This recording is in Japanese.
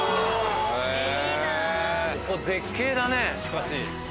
ここ絶景だねしかし。